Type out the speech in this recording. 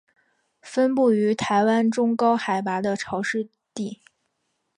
分布于台湾中高海拔的潮湿地。